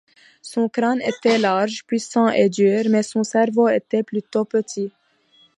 Son crâne était large, puissant et dur, mais son cerveau était plutôt petit.